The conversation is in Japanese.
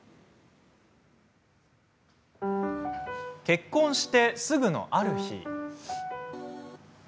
結婚してすぐの、ある日。